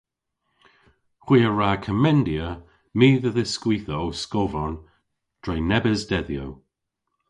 Hwi a wra komendya my dhe dhiskwitha ow skovarn dre nebes dedhyow.